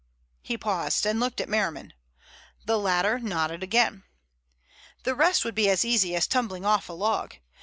He paused and looked at Merriman. The latter nodded again. "The rest would be as easy as tumbling off a log.